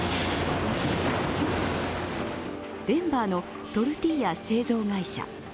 デンバーのトルティーヤ製造会社。